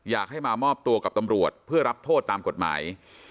อยากให้มามอบตัวกับตำรวจเพื่อรับโทษตามกฎหมาย